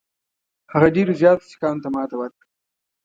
هغه ډېرو زیاتو سیکهانو ته ماته ورکړه.